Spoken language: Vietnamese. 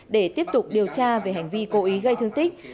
để tiếp tục điều tra về hành vi cố ý gây thương tích